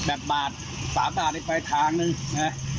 ไปเจอก็กำลังแบบบาด๓บาทในไปทางนึง